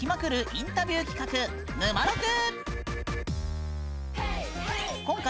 インタビュー企画「ぬまろく」！